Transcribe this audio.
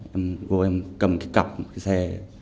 em vô em cầm cái cọc xe